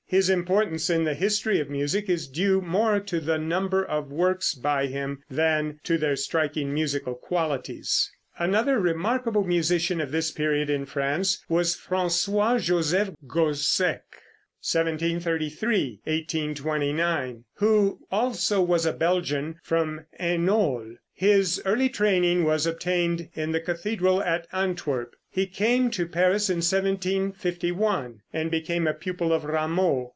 His importance in the history of music is due more to the number of works by him, than to their striking musical qualities. Another remarkable musician of this period in France was François Joseph Gossec (1733 1829), who also was a Belgian from Hainault. His early training was obtained in the cathedral at Antwerp. He came to Paris in 1751 and became a pupil of Rameau.